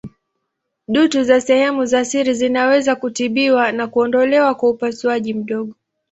Dutu za sehemu za siri zinaweza kutibiwa na kuondolewa kwa upasuaji mdogo.